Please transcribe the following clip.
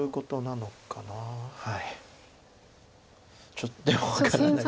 ちょっとでも分からない。